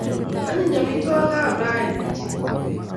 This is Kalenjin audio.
Anyinyen amitwogik kab rani ochei